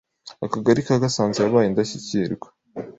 Akagali ka Gasanze yabaye Indashyikirwa